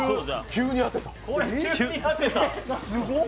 急に当てた！